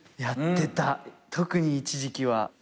やってた特に一時期は。